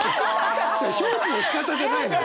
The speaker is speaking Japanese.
表記のしかたじゃないのよ！